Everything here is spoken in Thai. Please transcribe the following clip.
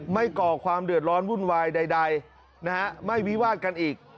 ก่อความเดือดร้อนวุ่นวายใดนะฮะไม่วิวาดกันอีก